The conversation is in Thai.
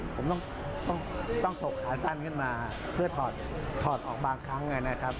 ผมต้องถกขาสั้นขึ้นมาเพื่อถอดออกบางครั้งนะครับ